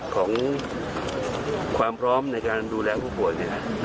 ของความพร้อมจากการดูแลผู้ป่วยเนี่ย